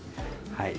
はい。